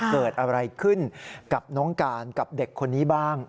เกิดอะไรขึ้นกับน้องการกับเด็กคนนี้บ้าง